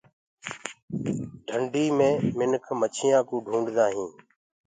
ڍنڊي مي منک مڇيآنٚ ڪي ڪرآ ڪوجآ ڪردآ هينٚ۔